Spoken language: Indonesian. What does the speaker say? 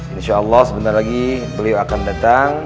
insyaallah sebentar lagi beliau akan datang